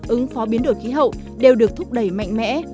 ứng phó biến đổi khí hậu đều được thúc đẩy mạnh mẽ